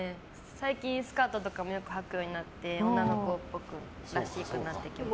最近スカートとかもよくはくようになって女の子らしくなってきました。